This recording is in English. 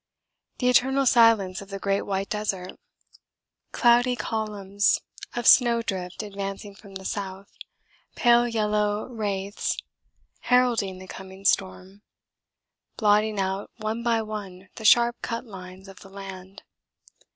The eternal silence of the great white desert. Cloudy columns of snow drift advancing from the south, pale yellow wraiths, heralding the coming storm, blotting out one by one the sharp cut lines of the land.